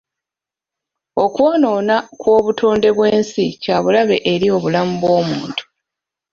Okwonoona kw'obutonde bw'ensi kya bulabe eri obulamu bw'omuntu.